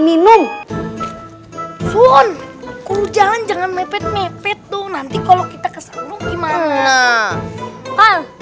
minum pun kujangan jangan mepet mepet tuh nanti kalau kita kesal gimana hal